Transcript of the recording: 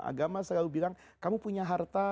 agama selalu bilang kamu punya harta